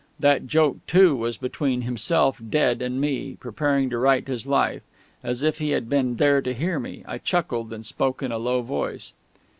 That joke, too, was between himself, dead, and me, preparing to write his "Life." As if he had been there to hear me, I chuckled, and spoke in a low voice.